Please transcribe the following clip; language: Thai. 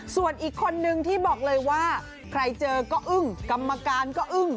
ส่วนอีกคนนึงที่บอกเลยว่าใครเจอก็อึ้งกรรมการก็อึ้ง